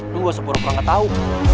lo gua sepuru puru ga tau